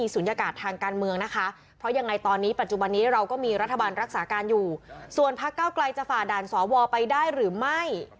ก็บอกว่ามันก็เป็นภาระหน้าที่ของเก้ากลัยนั่นแหละ